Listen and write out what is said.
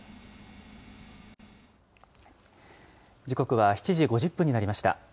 時刻は７時５０分になりました。